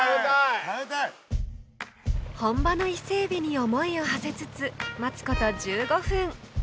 本場の伊勢エビに思いをはせつつ待つこと１５分。